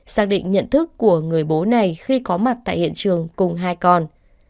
xác định nhận thức của người bố này khi có mặt tại hiện trường cùng hai con